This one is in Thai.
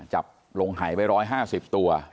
จับลงหายไป๑๕๐ตัว